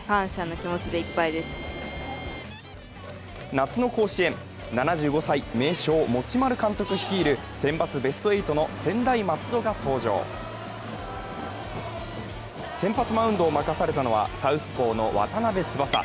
夏の甲子園、７５歳、名将持丸監督率いるセンバツベスト８の専大松戸が登場先発マウンドを任されたのはサウスポーの渡邊翼。